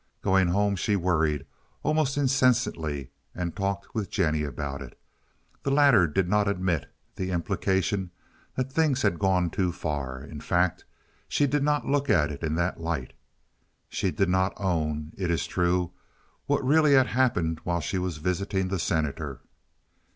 Going home she worried almost incessantly, and talked with Jennie about it. The latter did not admit the implication that things had gone too far. In fact, she did not look at it in that light. She did not own, it is true, what really had happened while she was visiting the Senator.